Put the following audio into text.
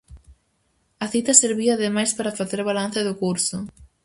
A cita servía ademais para facer balance do curso.